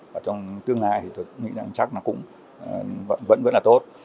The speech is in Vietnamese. và trong tương lai thì tôi nghĩ rằng chắc nó cũng vẫn rất là tốt